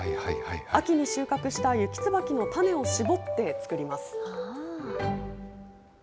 秋に収穫したユキツバキの種を搾って作ります。